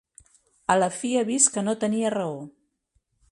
A la fi ha vist que no tenia raó.